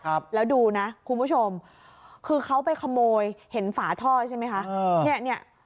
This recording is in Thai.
ครับแล้วดูนะคุณผู้ชมคือเขาไปขโมยเห็นฝาท่อใช่ไหมคะเออเนี้ยเนี้ย